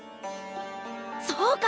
そうか！